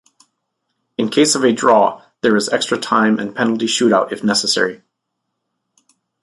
In case of a draw, there is extra time and penalty shootout if necessary.